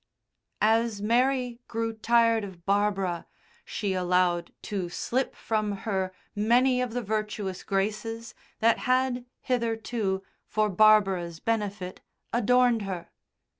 As Mary grew tired of Barbara she allowed to slip from her many of the virtuous graces that had hitherto, for Barbara's benefit, adorned her.